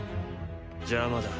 邪魔だ。